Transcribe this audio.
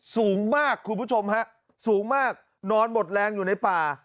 สูงมากคุณผู้ชมฮะสูงมากนอนหมดแรงอยู่ในป่า